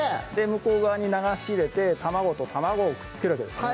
向こう側に流し入れて卵と卵をくっつけるわけですね